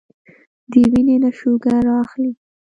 د وينې نه شوګر را اخلي